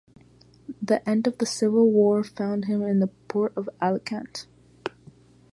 The end of the civil war found him in the port of Alicante.